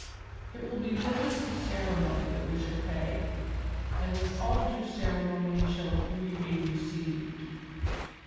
"It will be visits of ceremony that we shall pay, and with all due ceremony shall we be received.